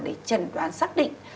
để trần đoán xác định